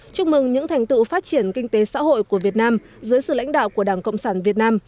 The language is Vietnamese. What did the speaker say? chúc mừng những thành tựu phát triển kinh tế xã hội của việt nam dưới sự lãnh đạo của đảng cộng sản việt nam